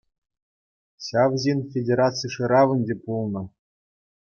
Ҫав ҫын федераци шыравӗнче пулнӑ.